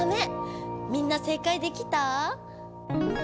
みんな正解できた？